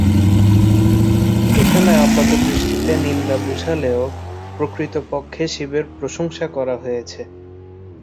’ এখানে আপাত দৃষ্টিতে নিন্দা বুঝালেও প্রকৃতপক্ষে শিবের প্রশংসা করা হয়েছে।